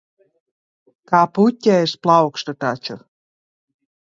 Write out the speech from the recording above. Kā puķe es plaukstu taču.